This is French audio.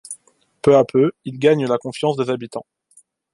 Peu à peu, il gagne la confiance des habitants.